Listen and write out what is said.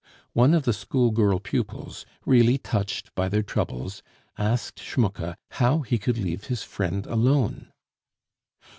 One of the school girl pupils, really touched by their troubles, asked Schmucke how he could leave his friend alone.